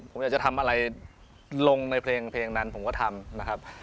ผมอยากจะทำอะไรลงในเพลงนั้นผมก็ทำนะครับ